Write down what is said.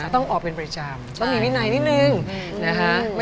ต้องออกเป็นปริจาม